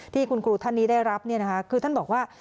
ที่คุณครูท่านนี้ได้รับคือท่านบอกว่า